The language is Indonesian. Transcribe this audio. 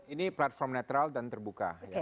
ini platform netral dan terbuka